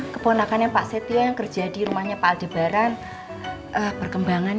itu tolong pastiin kliennya jangan telat